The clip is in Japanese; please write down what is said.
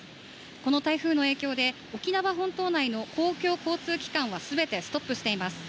この台風の影響で沖縄本島内の公共交通機関は全てストップしています。